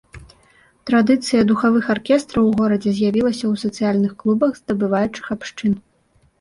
Традыцыя духавых аркестраў у горадзе з'явілася ў сацыяльных клубах здабываючых абшчын.